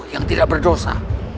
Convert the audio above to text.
yang tidak berdosa